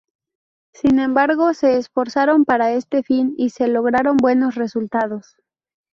Sin embargo, se esforzaron para este fin y se lograron buenos resultados.